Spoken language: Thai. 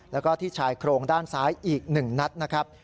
แล้วก็ที่ชายโครงด้านซ้ายอีก๑นัดนะครับ